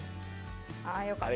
あよかった。